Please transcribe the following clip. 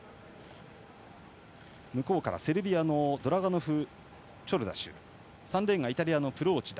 向こうからセルビアのドラガノフチョルダシュ３レーン、イタリアのプローチダ。